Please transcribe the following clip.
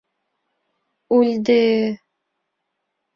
— Үлде-е.